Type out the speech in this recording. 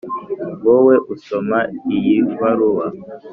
wowe usoma iyi baruwa,